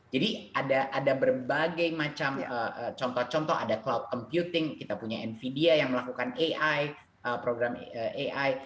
jadi ada berbagai macam contoh contoh ada cloud computing kita punya nvidia yang melakukan ai program ai